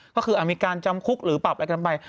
ก็คือมีการจำคุกหรือปรับอะไรกันไป